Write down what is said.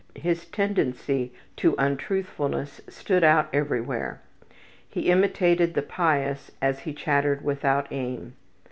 His tendency to untruthfulness stood out everywhere. He imitated the pious as he chattered without aim.